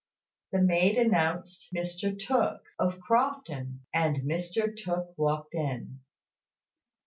The maid announced Mr Tooke, of Crofton; and Mr Tooke walked in.